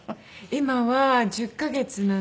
今は１０カ月なんですけれども。